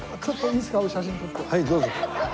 はいどうぞ。